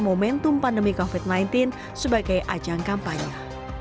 momentum pandemi covid sembilan belas sebagai ajang kampanye